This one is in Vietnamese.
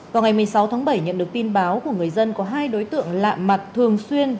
vào ngày một mươi sáu tháng bảy nhận được tin báo của người dân có hai đối tượng lạ mặt thường xuyên